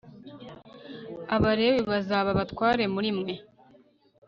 abalewi bazaba abatware muri mwe